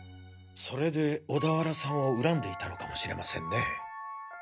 それで小田原さんを恨んでいたのかもしれませんね。